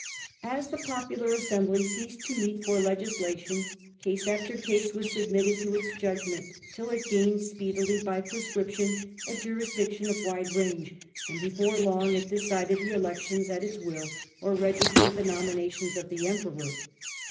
As the popular assemblies ceased to meet for legis lation, case after case was submitted to its judgment, till it gained speedily by prescription a jurisdiction of wide range, and before long it decided the elections at its will or registered the nominations of the Emperor.